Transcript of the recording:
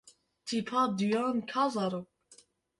Tîpa duyan ka zarok.